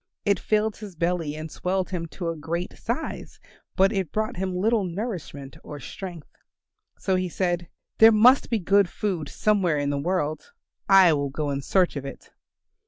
It filled his belly and swelled him to a great size, but it brought him little nourishment or strength. So he said, "There must be good food somewhere in the world; I will go in search of it."